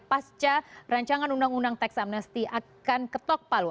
pasca rancangan undang undang teks amnesty akan ketok palu